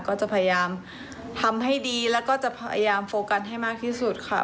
ก็จะพยายามทำให้ดีแล้วก็จะพยายามโฟกัสให้มากที่สุดค่ะ